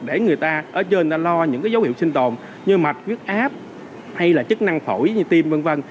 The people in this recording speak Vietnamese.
để người ta ở trên lo những dấu hiệu sinh tồn như mạch huyết áp hay là chức năng phổi như tim v v